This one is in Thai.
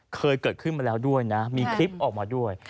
เคยเกิดขึ้นมาแล้วด้วยนะมีคลิปออกมาด้วย